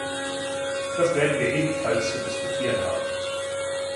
Das werden wir ebenfalls zu diskutieren haben.